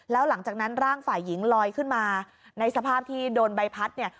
แล้วหลังจากนั้นร่างฝ่ายหญิงลอยขึ้นมาในสภาพที่โดนใบพัดเนี่ย